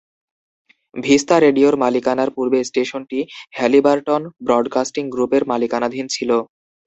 Vista রেডিওর মালিকানার পূর্বে স্টেশনটি হ্যালিবারটন ব্রডকাস্টিং গ্রুপের মালিকানাধীন ছিল।